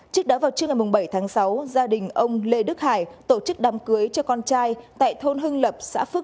trước đó vào trưa ngày bảy tháng sáu gia đình ông lê đức hải tổ chức đám cưới cho con trai tại thôn hưng lập xã phước